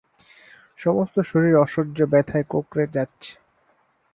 সমস্ত শরীর অসহ্য ব্যথায় কুঁকড়ে যাচ্ছে।